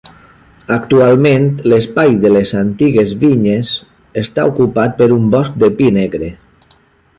Actualment l'espai de les antigues vinyes està ocupat per un bosc de pi negre.